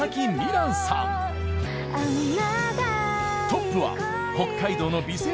トップは北海道の美声